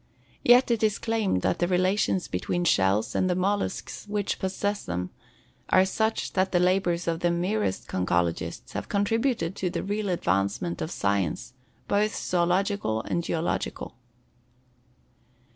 Yet it is claimed that the relations between shells and the mollusks which possess them are such that the labors of the merest conchologists have contributed to the real advancement of science, both zoölogical and geological.